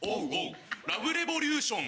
ラブレボリューション。